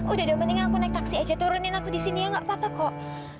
udah dong mendingan aku naik taksi aja turunin aku di sini ya nggak apa apa kok